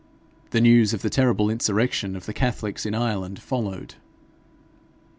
The news of the terrible insurrection of the catholics in Ireland followed.